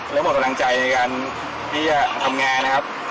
เริ่มบอกต่างใจในการที่จะทำงานนะครับ